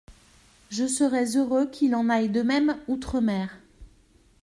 Je serais heureux qu’il en aille de même outre-mer.